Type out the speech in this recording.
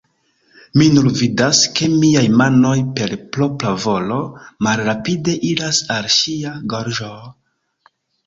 Mi nur vidas, ke miaj manoj, per propra volo, malrapide iras al ŝia gorĝo...